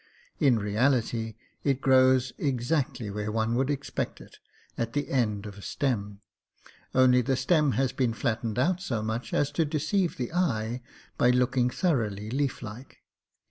In reality, it grows exactly where one would expect it — at the end of a stem; only the stem has been flattened out so much as to de ceive the eye by looking thoroughly leaf like.